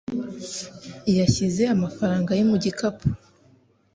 Yashyize amafaranga ye mu gikapu.